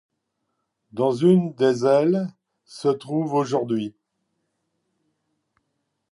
Dans une des ailes se trouve aujourd'hui l'.